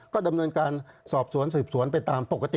ก็ดำเนินการสอบสวนสืบสวนไปตามปกติ